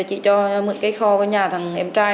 chị cho mượn cái kho của nhà thằng em trai